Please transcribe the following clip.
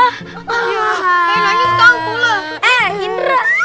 kayak nangis kamu lah